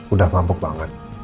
udah mabuk banget